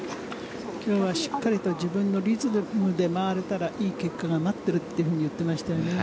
今日はしっかりと自分のリズムで回れたらいい結果が待っていると言っていましたね。